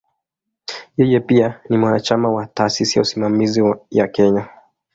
Yeye pia ni mwanachama wa "Taasisi ya Usimamizi ya Kenya".